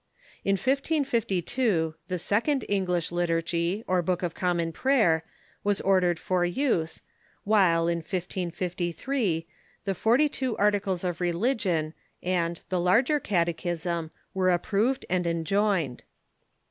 In 1552 the "Second English Liturgy, or Book of Common Prayer," was ordered for use, while, in 1553, the "Forty two Articles of Religion" and the "Larger Catechism" were approved and enjoined.